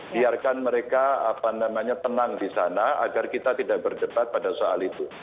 biarkan mereka tenang di sana agar kita tidak berdebat pada soal itu